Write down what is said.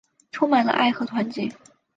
充满了爱和团结